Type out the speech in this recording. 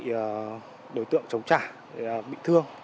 bị đối tượng chống trả bị thương